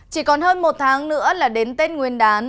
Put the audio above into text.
chỉ còn hơn một tháng nữa là đến tết nguyên đán